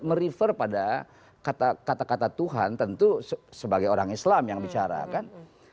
merifer pada kata kata tuhan tentu sebagai orang islam yang bicara kan